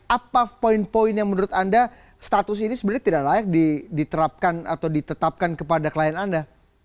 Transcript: apa poin poin yang menurut anda status ini sebenarnya tidak layak diterapkan atau ditetapkan kepada klien anda